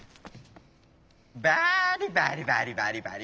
バリバリバリバリバリ。